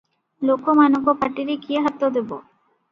ଲୋକମାନଙ୍କ ପାଟିରେ କିଏ ହାତଦେବ?